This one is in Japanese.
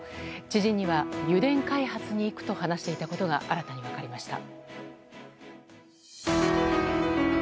知人には油田開発に行くと話していたことが新たに分かりました。